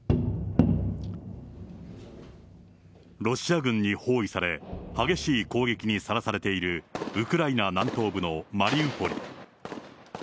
ロシア軍に包囲され、激しい攻撃にさらされているウクライナ南東部のマリウポリ。